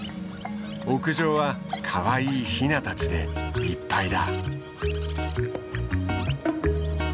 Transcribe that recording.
屋上はかわいいヒナたちでいっぱいだ。